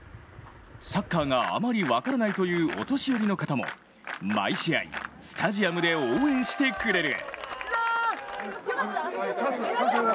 サッカーがあまり分からないというお年寄りの方も毎試合スタジアムで応援してくれる。